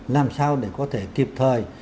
làm sao để có thể kịp thời